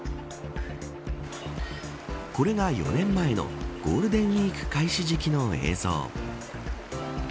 これが４年前のゴールデンウイーク開始時期の映像。